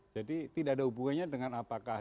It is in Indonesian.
jadi tidak ada hubungannya dengan apakah